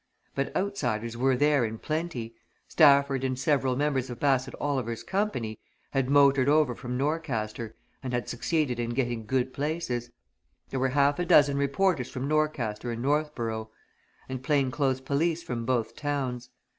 But outsiders were there in plenty. Stafford and several members of Bassett Oliver's company had motored over from Norcaster and had succeeded in getting good places: there were half a dozen reporters from Norcaster and Northborough, and plain clothes police from both towns.